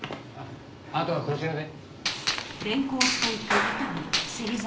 あとはこちらで。